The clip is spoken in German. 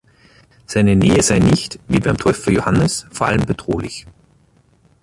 Seine Nähe sei nicht, wie beim Täufer Johannes, vor allem bedrohlich.